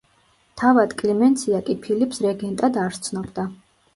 თავად კლიმენცია კი ფილიპს რეგენტად არ სცნობდა.